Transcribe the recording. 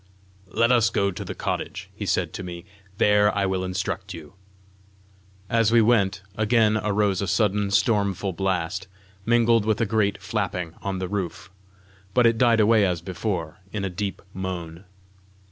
"Let us go to the cottage," he said to me; "there I will instruct you." As we went, again arose a sudden stormful blast, mingled with a great flapping on the roof, but it died away as before in a deep moan.